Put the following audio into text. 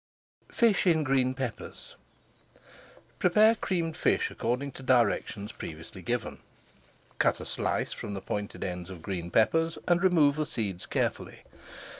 FISH IN GREEN PEPPERS Prepare Creamed Fish according to directions previously given. Cut a slice from the pointed ends of green peppers, and remove the seeds carefully.